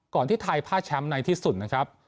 ที่ไทยผ้าแชมป์ในที่สุดนะครับ